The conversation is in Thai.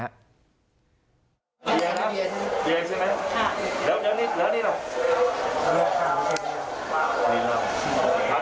อันนี้อะไรครับ